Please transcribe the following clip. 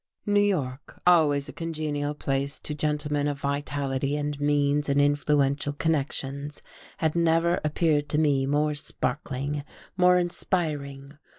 New York, always a congenial place to gentlemen of vitality and means and influential connections, had never appeared to me more sparkling, more inspiring.